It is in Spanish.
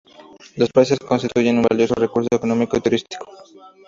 Los peces constituyen un valioso recurso económico y turístico.